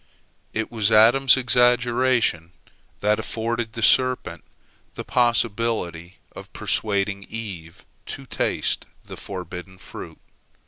It was Adam's exaggeration that afforded the serpent the possibility of persuading Eve to taste of the forbidden fruit.